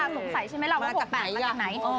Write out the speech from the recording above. สงสัยใช่ไหมเราว่าหกแปดมาจากไหน